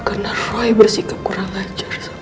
karena roy bersikap kurang ajar sama gue